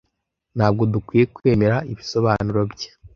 Ntabwo dukwiye kwemera ibisobanuro bye